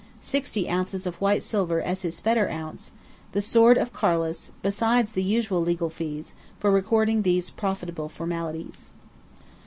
sixty ounces of white silver as his "fetter ounce;" the sword of Carlus, besides the usual legal fees, for recording these profitable formalities.